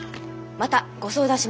またご相談しますから。